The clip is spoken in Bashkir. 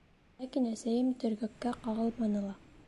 Ләкин әсәйем төргәккә ҡағылманы ла.